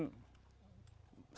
kalau enggak hujan hujan